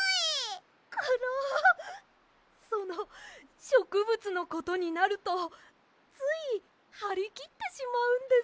そのしょくぶつのことになるとついはりきってしまうんです。